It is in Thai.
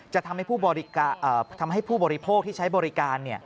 จะทำให้ผู้บริโภคที่ใช้บริการ